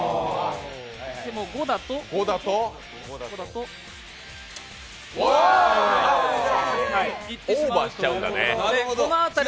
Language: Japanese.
でも５だとオーバーしちゃうんだね。